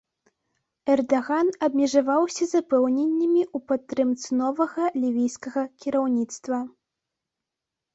Эрдаган абмежаваўся запэўненнямі ў падтрымцы новага лівійскага кіраўніцтва.